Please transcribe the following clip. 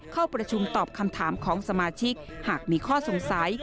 เข้าประชุมตอบคำถามของสมาชิกหากมีข้อสงสัย